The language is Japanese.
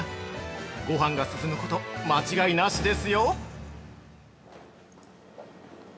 ごはんが進むこと間違いなしですよ。